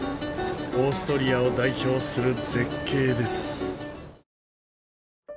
オーストリアを代表する絶景です。